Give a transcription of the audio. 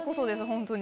本当に。